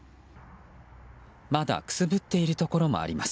まだくすぶっているところもあります。